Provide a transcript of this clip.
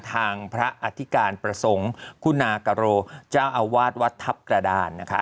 ทางพระอธิกานประสงค์คุณากรวัดทัพกระดาน